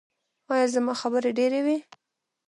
ایا زما خبرې ډیرې وې؟